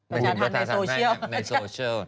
ยังในโซเชียล